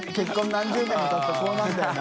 何十年もたつとこうなるんだよな。